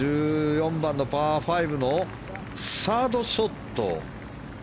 １４番、パー５のサードショット。